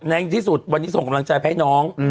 ในที่สุดวันนี้ส่งกำลังใจให้น้อง